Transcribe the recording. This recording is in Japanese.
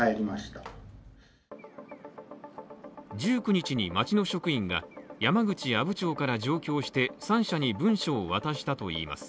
１９日に町の職員が山口阿武町から上京して３社に文書を渡したといいます。